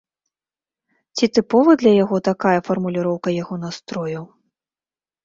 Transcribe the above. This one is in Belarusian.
Ці тыпова для яго такая фармуліроўка яго настрою?